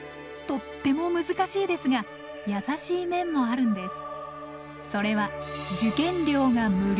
とっても難しいですが優しい面もあるんです。